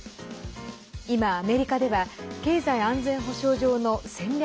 今、アメリカでは経済安全保障上の戦略